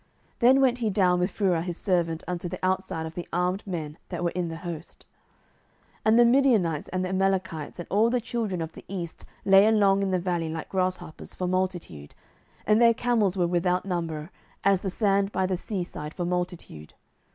Then went he down with Phurah his servant unto the outside of the armed men that were in the host. 07:007:012 And the Midianites and the Amalekites and all the children of the east lay along in the valley like grasshoppers for multitude; and their camels were without number, as the sand by the sea side for multitude.